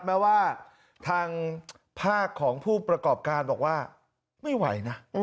แม้ว่าทางภาคของผู้ประกอบการบอกว่าไม่ไหวนะ